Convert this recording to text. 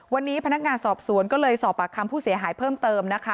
วันนี้พนักงานสอบสวนก็เลยสอบปากคำผู้เสียหายเพิ่มเติมนะคะ